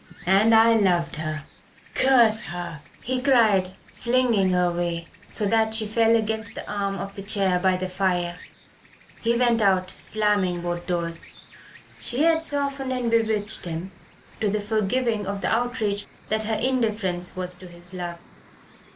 "And I loved her curse her!" he cried, flinging her away, so that she fell against the arm of the chair by the fire. He went out, slamming both doors. She had softened and bewitched him to the forgiving of the outrage that her indifference was to his love.